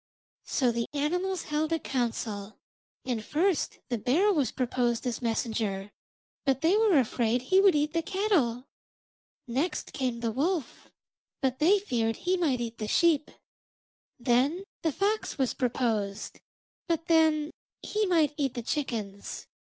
So the animals held a council, and first the bear was proposed as messenger, but they were afraid he would eat the cattle. Next came the wolf, but they feared that he might eat the sheep. Then the fox was proposed, but then he might eat the chickens.